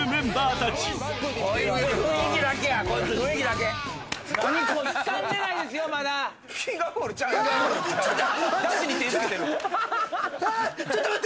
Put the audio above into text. ちょっと待って！